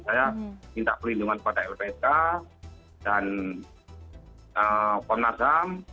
saya minta perlindungan kepada lpsk dan ponasam